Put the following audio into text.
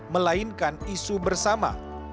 melainkan isu bersama